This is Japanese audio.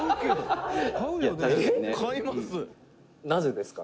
なぜですか？」